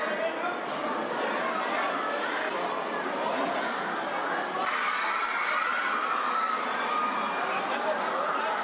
น้องน้องจะพูดหนึ่งนะครับร่างกายสูงรุ่นเสียงแรงนะครับ